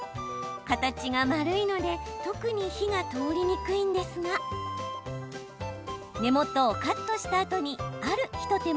形が丸いので特に火が通りにくいんですが根元をカットしたあとにある一手間を加えます。